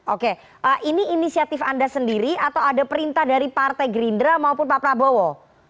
oke ini inisiatif anda sendiri atau ada perintah dari partai gerindra maupun pak prabowo